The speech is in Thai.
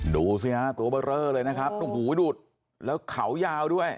ดูสิฮะตัวเบอร์เรอเลยนะครับโอ้โหดูดแล้วเขายาวด้วย